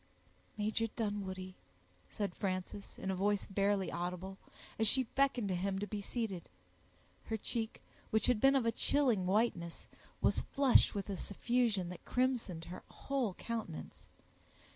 "Major Dunwoodie," said Frances, in a voice barely audible, as she beckoned to him to be seated; her cheek, which had been of a chilling whiteness, was flushed with a suffusion that crimsoned her whole countenance.